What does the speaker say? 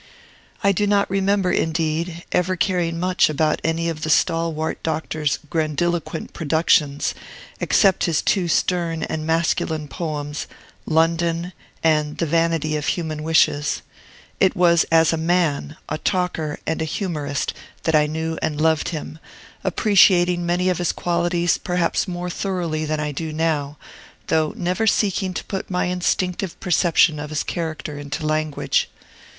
I do not remember, indeed, ever caring much about any of the stalwart Doctor's grandiloquent productions, except his two stern and masculine poems, "London," and "The Vanity of Human Wishes"; it was as a man, a talker, and a humorist, that I knew and loved him, appreciating many of his qualities perhaps more thoroughly than I do now, though never seeking to put my instinctive perception of his character into language.